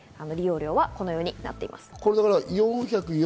利用料はこのようになっています。